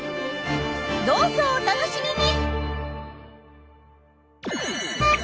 どうぞお楽しみに！